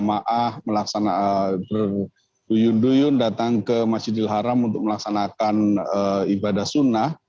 ma'ah melaksanakan duyun duyun datang ke masjidil haram untuk melaksanakan ibadah sunnah